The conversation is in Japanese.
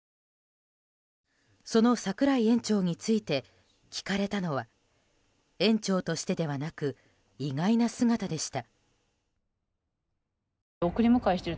その櫻井園長について聞かれたのは園長としてではなく意外な姿でした。